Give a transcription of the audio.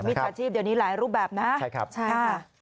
จ่าชีพเดี๋ยวนี้หลายรูปแบบนะใช่ครับใช่ค่ะ